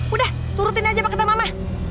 udah turutin aja pak ke teman ma